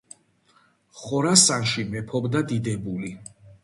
ხორასანში მეფობდა დიდებული